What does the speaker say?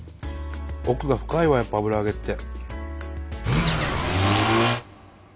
奥が深いわやっぱ油揚げって。